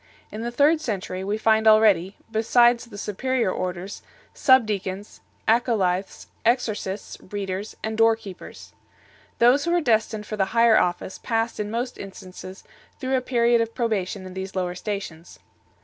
In the third century we find already, besides the superior orders, sub deacons, acolyths, exorcists, readers, and door keepers 8 . Those who were destined for the higher office passed in most instances through a period of probation in these lower stations.